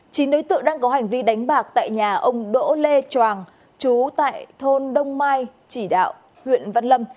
chín đối tượng đang có hành vi đánh bạc tại nhà ông đỗ lê tròàng chú tại thôn đông mai chỉ đạo huyện văn lâm